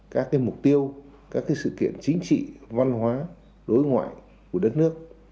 các mục tiêu các sự kiện chính trị văn hóa đối ngoại của đất nước